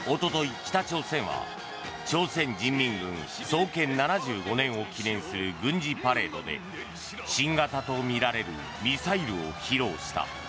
北朝鮮は朝鮮人民軍創建７５年を記念する軍事パレードで新型とみられるミサイルを披露した。